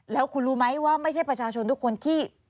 แล้วคุณรู้ไหมว่าไม่ใช่ประชาชนทุกคนที่